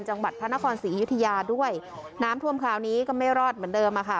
จังหวัดพระนครศรีอยุธยาด้วยน้ำท่วมคราวนี้ก็ไม่รอดเหมือนเดิมอะค่ะ